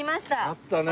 あったねえ。